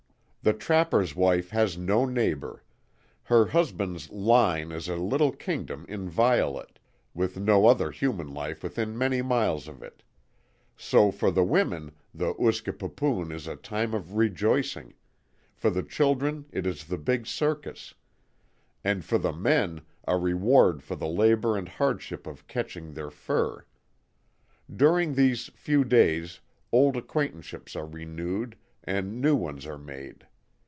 The trapper's wife has no neighbour. Her husband's "line" is a little kingdom inviolate, with no other human life within many miles of it; so for the women the OOSKE PIPOON is a time of rejoicing; for the children it is the "big circus," and for the men a reward for the labour and hardship of catching their fur. During these few days old acquaintanceships are renewed and new ones are made.